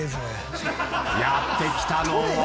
やってきたのは。